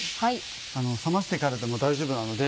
冷ましてからでも大丈夫なので。